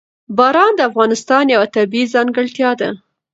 باران د افغانستان یوه طبیعي ځانګړتیا ده.